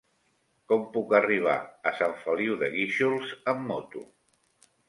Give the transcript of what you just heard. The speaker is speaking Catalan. Com puc arribar a Sant Feliu de Guíxols amb moto?